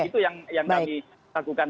itu yang kami lakukan